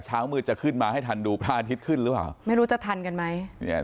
เช้ามืดจะขึ้นมาให้ทันดูพระอาทิตย์ขึ้นหรือเปล่าไม่รู้จะทันกันไหมเนี่ย